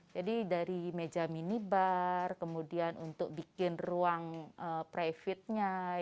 jadi dari meja mini bar kemudian untuk bikin ruang private nya